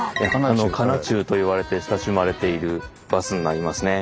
「神奈中」といわれて親しまれているバスになりますね。